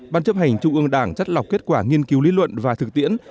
ban chấp hành trung ương đảng chất lọc kết quả nghiên cứu lý luận và thực tiễn